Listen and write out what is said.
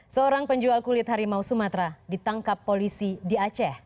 seorang penjual kulit harimau sumatera ditangkap polisi di aceh